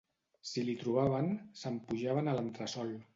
Si li trobaven, se'n pujaven a l'entresol